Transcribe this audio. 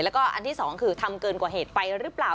แล้วก็อันที่สองคือทำเกินกว่าเหตุไปหรือเปล่า